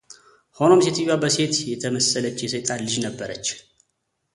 ሆኖም ሴትየዋ በሴት የተመሰለች የሰይጣን ልጅ ነበረች፡፡